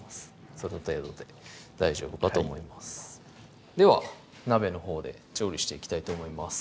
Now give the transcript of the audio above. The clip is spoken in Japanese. その程度で大丈夫かと思いますでは鍋のほうで調理していきたいと思います